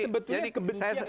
sebenarnya kebencian historik